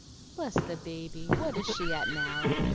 "Bless the baby! what is she at now?"